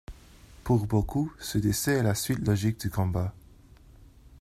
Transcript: Pour beaucoup, ce décès est la suite logique du combat.